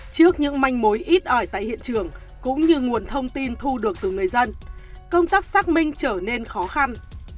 trước những manh mối ít ỏi tại hiện trường cũng như nguồn thông tin thu được từ người dân công tác xác minh trở nên khó khăn